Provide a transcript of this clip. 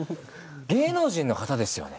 「芸能人の方ですよね？」